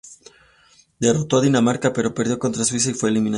Derrotó a Dinamarca pero perdió contra Suiza y fue eliminada.